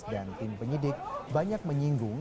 tim penyidik banyak menyinggung